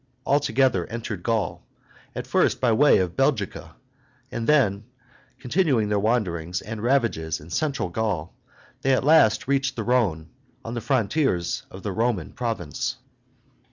all together entered Gaul, at first by way of Belgica, and then, continuing their wanderings and ravages in central Gaul, they at last reached the Rhone, on the frontiers of the Roman province.